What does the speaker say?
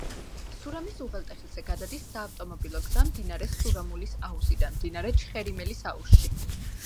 სურამის უღელტეხილზე გადადის საავტომობილო გზა მდინარე სურამულის აუზიდან მდინარე ჩხერიმელის აუზში.